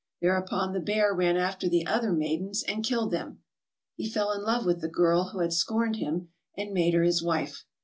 Thereupon the bear ran after the other maidens and killed them. He fell in love with the girl who had scorned him and made her his wife.